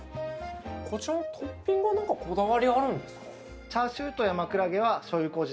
こちらのトッピングは何かこだわりあるんですか？